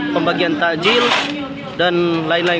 pembagian takjil dan lain lain